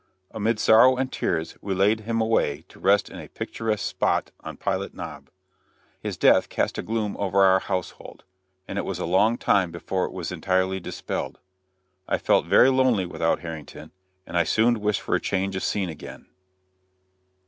Amid sorrow and tears we laid him away to rest in a picturesque spot on Pilot Knob. His death cast a gloom over our household, and it was a long time before it was entirely dispelled. I felt very lonely without Harrington, and I soon wished for a change of scene again.